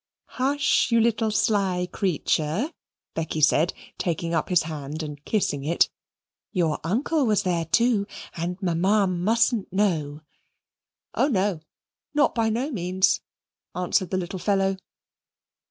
"Hush! you little sly creature," Becky said, taking up his hand and kissing it. "Your uncle was there too, and Mamma mustn't know." "Oh, no not by no means," answered the little fellow.